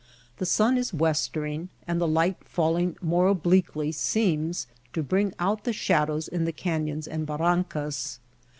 The sun is westering, and the light falling more obliquely seems to bring out the shadows in the canyons and barrancas.